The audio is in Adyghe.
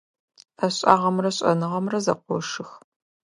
Ӏэшӏагъэмрэ шӏэныгъэмрэ зэкъошых.